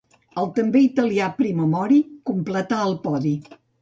El també italià Primo Mori completà el podi.